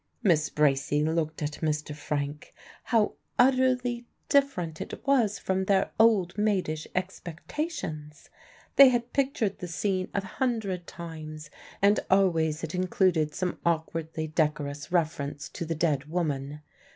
Miss Bracy looked at Mr. Frank. How utterly different it was from their old maidish expectations! They had pictured the scene a hundred times, and always it included some awkwardly decorous reference to the dead woman.